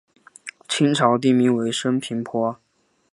清朝定名为升平坡。